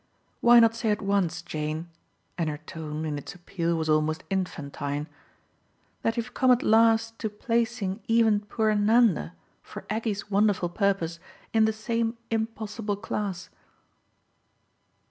"Why not say at once, Jane" and her tone, in its appeal, was almost infantine "that you've come at last to placing even poor Nanda, for Aggie's wonderful purpose, in the same impossible class?"